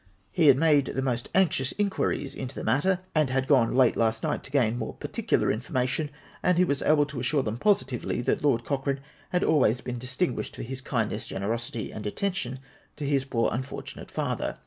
He had made the most anxious incpiiries into that matter, and had gone late last night to gain more par ticular information: and he was able to assure them j)ositively that Lord Cochrane had always been distinguished for his kindness, generosity, and attention to his poor unfortunate father.